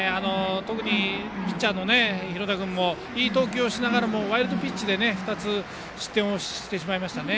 ピッチャーの廣田君もいい投球をしながらもワイルドピッチで２つ失点をしましたね。